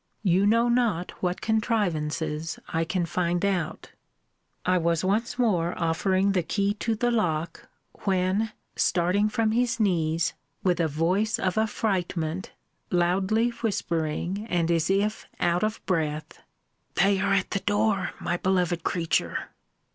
You know not what contrivances I can find out. I was once more offering the key to the lock, when, starting from his knees, with a voice of affrightment, loudly whispering, and as if out of breath, they are at the door, my beloved creature!